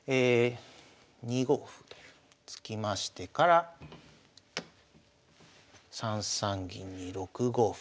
２五歩と突きましてから３三銀に６五歩。